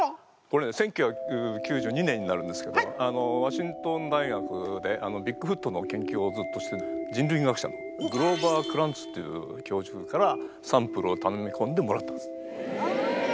これね１９９２年になるんですけどワシントン大学でビッグフットの研究をずっとしてる人類学者グローバー・クランツっていう教授からサンプルをたのみこんでもらったんです。